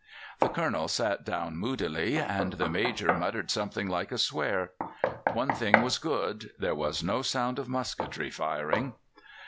"The Colonel sat down moodily, and the Major muttered something like a swear. One thing was good: there was no sound of musketry firing.